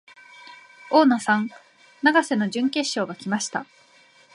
大野さん、永瀬の準決勝が来ました。